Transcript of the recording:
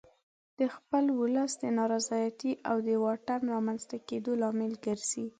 د خپل ولس د نارضایتي او د واټن رامنځته کېدو لامل ګرځي.